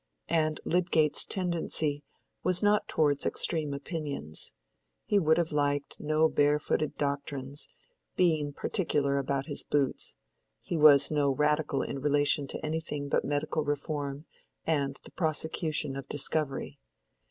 And Lydgate's tendency was not towards extreme opinions: he would have liked no barefooted doctrines, being particular about his boots: he was no radical in relation to anything but medical reform and the prosecution of discovery.